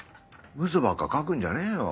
ウソばっか書くんじゃねえよ。